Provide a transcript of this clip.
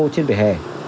trên vỉa hè